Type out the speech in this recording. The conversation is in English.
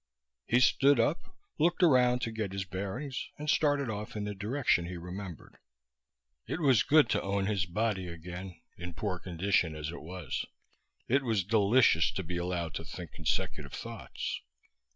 He stood up, looked around to get his bearings, and started off in the direction he remembered. It was good to own his body again, in poor condition as it was. It was delicious to be allowed to think consecutive thoughts.